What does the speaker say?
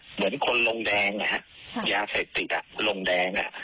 เหมือนคนลงแดงยาเสพติดลงแดง